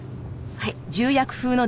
はい。